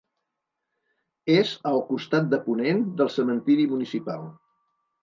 És al costat de ponent del Cementiri Municipal.